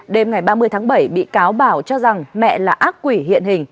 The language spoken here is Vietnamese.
đêm ngày ba mươi tháng bảy bị cáo bảo cho rằng mẹ là ác quỷ hiện hình